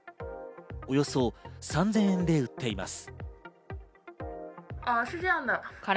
およそ３０００円で売っています。